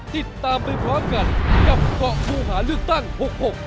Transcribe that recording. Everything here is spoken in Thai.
ติดตามไปพร้อมกันกับเกาะผู้หาเลือกตั้งหกหก